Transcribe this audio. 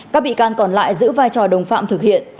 các bị can còn lại giữ vai trò đồng phạm thực hiện